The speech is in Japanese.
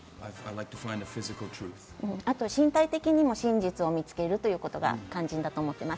あと身体的には真実を見つけるということが肝心だと思っています。